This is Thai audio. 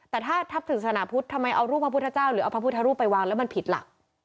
แต่ถ้าทับศาสนาพุทธทำไมเอารูปพระพุทธเจ้าหรือเอาพระพุทธรูปไปวางแล้วมันผิดหลัก